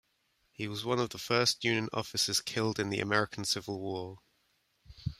He was one of the first Union officers killed in the American Civil War.